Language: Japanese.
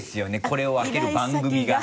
これを開ける番組が。